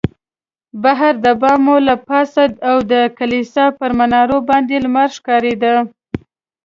بهر د بامو له پاسه او د کلیسا پر منارو باندې لمر ښکارېده.